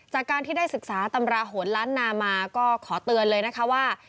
จากการที่ได้ศึกษาตำราโหนล้านนามาก็ขอเตือนเลยนะคะว่า